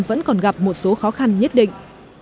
vẫn còn gặp một số khó khăn nhất định